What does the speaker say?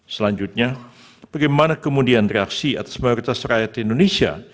selanjutnya bagaimana kemudian reaksi atas mayoritas rakyat di indonesia